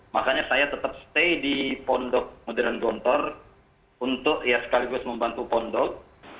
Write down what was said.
makanya saya tetap stay di pondok modern gontor untuk ya sekaligus membantu pondok